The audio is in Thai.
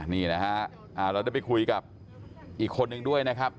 นี่นะฮะเราได้ไปคุยกับอีกคนนึงด้วยนะครับ